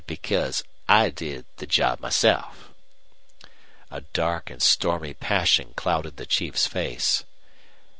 "Because I did the job myself." A dark and stormy passion clouded the chief's face.